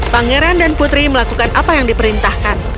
pangeran dan putri melakukan apa yang diperintahkan